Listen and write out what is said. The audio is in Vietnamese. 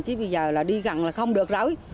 chứ bây giờ là đi gần là không được rối